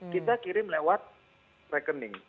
kita kirim lewat rekening